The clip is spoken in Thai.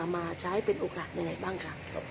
มาใช้เป็นโอกาสยังไงบ้างครับ